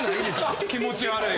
気持ち悪い！